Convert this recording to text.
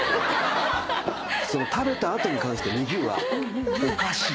食べた後に関してＮｉｚｉＵはおかしい。